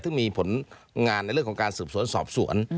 ซึ่งมีผลงานในเรื่องของการสืบสวนสอบสวน